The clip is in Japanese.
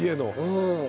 うん。